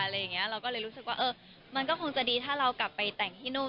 เราก็เลยรู้สึกว่าเออมันก็คงจะดีถ้าเรากลับไปแต่งที่นู่น